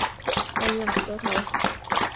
瞓啦，早唞